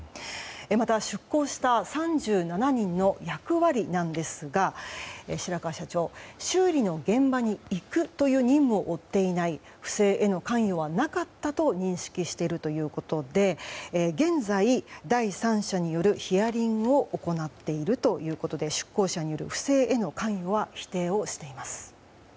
また、出向した３７人の役割なんですが白川社長、終了の現場に行く任務を負っていない不正への関与はなかったと認識しているということで現在、第三者によるヒアリングを行っているということで出向者による不正への関与は否定をしています。